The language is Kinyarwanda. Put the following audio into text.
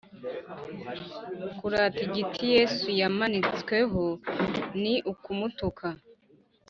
Kurata igiti Yesu yamanitsweho ni ukumutuka